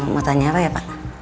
mau tanya apa ya pak